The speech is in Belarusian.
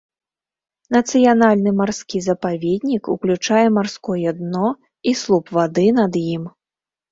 Нацыянальны марскі запаведнік уключае марское дно і слуп вады над ім.